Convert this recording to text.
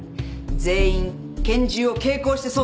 全員拳銃を携行して捜査するように。